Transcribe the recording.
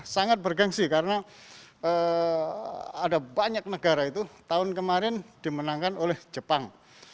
sangat bergensi karena ada banyak negara itu tahun kemarin dimenangkan oleh jepang